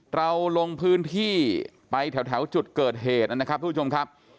เราลงพื้นที่ไปแถวจุดเกิดเหตุนะครับทุกผู้ชมครับ